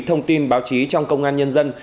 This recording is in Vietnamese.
thông tin báo chí trong công an nhân dân